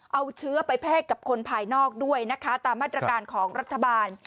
เอาเชื้อไปแพร่กับคนภายนอกด้วยนะคะตามมาตรการของรัฐบาล